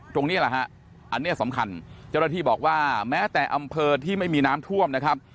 ตรงนี้แหละฮะอันนี้สำคัญเจ้าหน้าที่บอกว่าแม้แต่อำเภอที่ไม่มีน้ำท่วมนะครับ